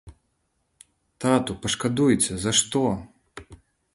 Тату, пашкадуйце, за што?